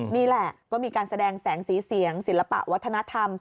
นี่แหละก็มีการแสดงแสงสีเสียงศิลปะวัฒนธรรม